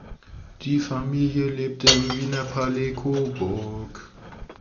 Die Familie lebte im Wiener Palais Coburg.